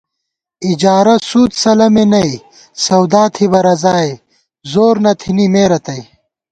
اِجارہ، سُود، سَلَمےنئ، سودا تھِبہ رضائے، زور نہ تھنی مے رتئ